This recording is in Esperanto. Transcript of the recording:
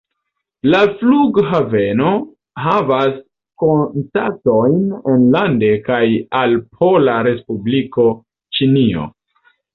La flughaveno havas kontaktojn enlande kaj al Popola Respubliko Ĉinio.